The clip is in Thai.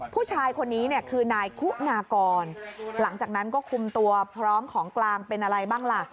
ผู้ชายคนนี้เนี่ยคือนายคุณากรหลังจากนั้นก็คุมตัวพร้อมของกลางเป็นอะไรบ้างล่ะ